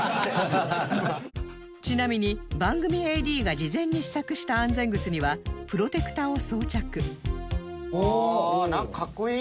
ちなみに番組 ＡＤ が事前に試作した安全靴にはプロテクタを装着なんかかっこいい。